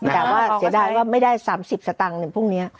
แต่ว่าเสียดายว่าไม่ได้๓๐สตางค์ในพรุ่งนี้